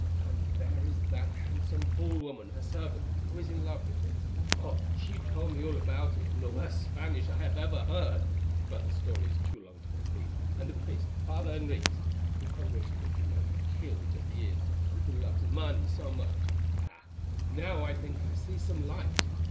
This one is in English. And there is that handsome fool woman, her servant, who is in love with him—oh! she told me all about it in the worst Spanish I ever heard, but the story is too long to repeat; and the priest, Father Henriques—he who wished that you might be killed at the inn, and who loves money so much. Ah! now I think I see some light.